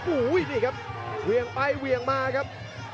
โอ้โหนี่ครับเวียงไปเวียงมาครับ